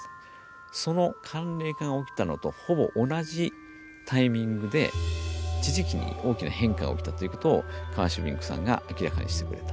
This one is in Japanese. その寒冷化が起きたのとほぼ同じタイミングで地磁気に大きな変化が起きたということをカーシュビンクさんが明らかにしてくれた。